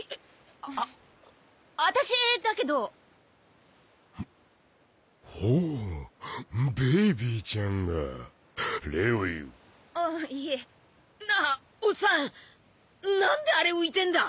あたしだけどほうベイビーちゃんが礼を言うあいえなあオッサンなんでアレ浮いてんだ？